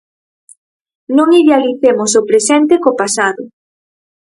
Non idealicemos o presente co pasado.